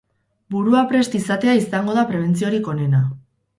Burua prest izatea izango da prebentziorik onena.